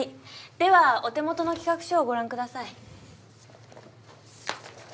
ではお手元の企画書をご覧ください。